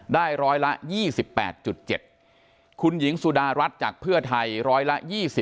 ได้ร้อยละ๒๘๗คุณหญิงสุดารัฐจากเพื่อไทยร้อยละ๒๐